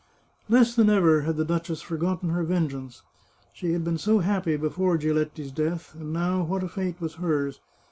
Less than ever had the duchess forgotten her vengeance. She had been so happy before Giletti's death, and now, what a fate was hers